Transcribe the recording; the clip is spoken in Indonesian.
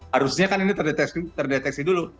harusnya kan ini terdeteksi dulu